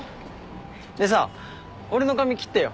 でさ俺の髪切ってよ。